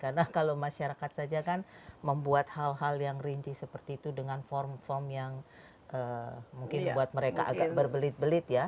karena kalau masyarakat saja kan membuat hal hal yang rinci seperti itu dengan form form yang mungkin buat mereka agak berbelit belit ya